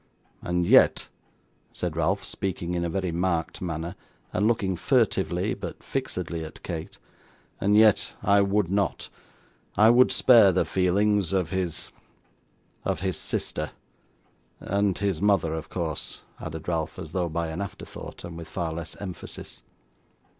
And yet,' said Ralph, speaking in a very marked manner, and looking furtively, but fixedly, at Kate, 'and yet I would not. I would spare the feelings of his of his sister. And his mother of course,' added Ralph, as though by an afterthought, and with far less emphasis.